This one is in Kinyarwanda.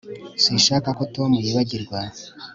Sinshaka ko Tom yibagirwa